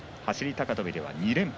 高跳びでは２連覇。